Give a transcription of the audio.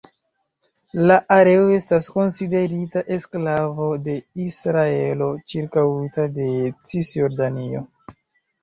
La areo estas konsiderita eksklavo de Israelo, ĉirkaŭita de Cisjordanio.